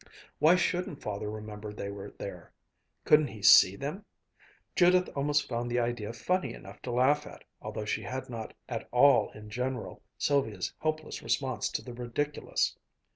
Why shouldn't Father remember they were there? Couldn't he see them? Judith almost found the idea funny enough to laugh at, although she had not at all in general Sylvia's helpless response to the ridiculous.